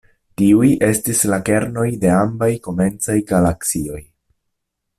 Tiuj estis la kernoj de ambaŭ komencaj galaksioj.